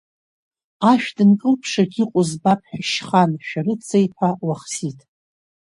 Ашә дынкылԥшит иҟоу збап ҳәа шьхан-шәарыца иԥа Уахсиҭ.